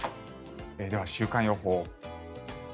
では週間予報。